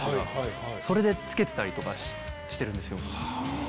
それで着けてたりとかしてるんですよ。